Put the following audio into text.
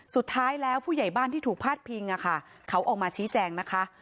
สุดท้ายแล้วผู้ใหญ่บ้านที่ถูกพาดพิงเขาออกมาชี้แจงนะคะ